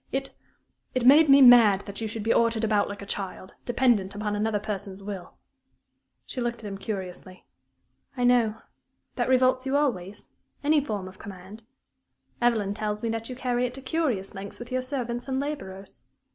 It it made me mad that you should be ordered about like a child dependent upon another person's will." She looked at him curiously. "I know. That revolts you always any form of command? Evelyn tells me that you carry it to curious lengths with your servants and laborers."